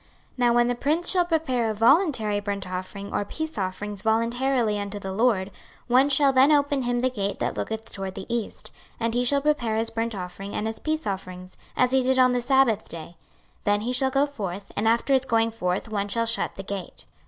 26:046:012 Now when the prince shall prepare a voluntary burnt offering or peace offerings voluntarily unto the LORD, one shall then open him the gate that looketh toward the east, and he shall prepare his burnt offering and his peace offerings, as he did on the sabbath day: then he shall go forth; and after his going forth one shall shut the gate.